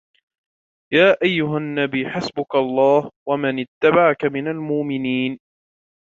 يا أيها النبي حسبك الله ومن اتبعك من المؤمنين